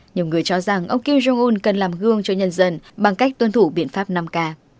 nhiều người cho rằng ông kim jong un cần làm gương cho nhân dân bằng cách tuân thủ biện pháp năm k